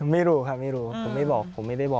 ไม่รู้ผมไม่ได้บอกครับ